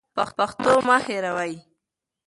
پښتو مه هېروئ.